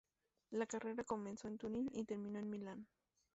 La carrera comenzó en Turín y terminó en Milán.